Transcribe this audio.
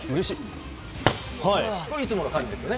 これがいつもの感じですね。